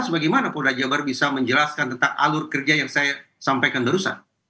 sebagaimana polda jabar bisa menjelaskan tentang alur kerja yang saya sampaikan terusan